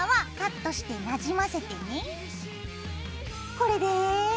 これで。